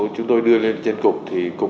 chúng tôi đưa lên trên cục thì cục